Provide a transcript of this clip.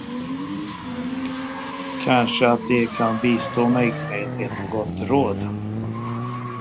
Kanske att de kan bistå mig med ett gott råd.